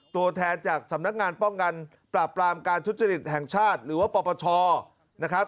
ตัวแทนจากสำนักงานป้องกันปราบปรามการทุจริตแห่งชาติหรือว่าปปชนะครับ